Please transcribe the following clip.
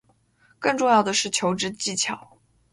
更重要的是求职技巧